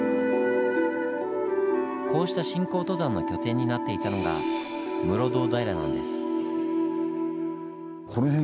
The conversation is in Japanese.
こうした信仰登山の拠点になっていたのが室堂平なんです。